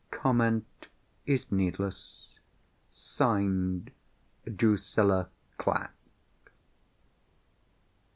Comment is needless. (Signed) DRUSILLA CLACK.